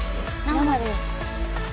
生です。